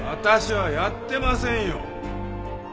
私はやってませんよ。